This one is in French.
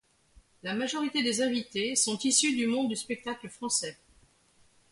La majorité des invités sont issus du monde du spectacle français.